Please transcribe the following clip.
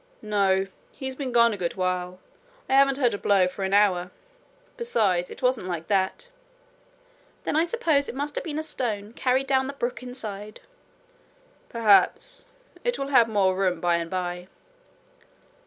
'No; he's been gone a good while. I haven't heard a blow for an hour. Besides, it wasn't like that.' 'Then I suppose it must have been a stone carried down the brook inside.' 'Perhaps. It will have more room by and by.'